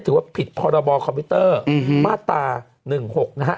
ถือว่าผิดพรบคอมพิวเตอร์มาตรา๑๖นะฮะ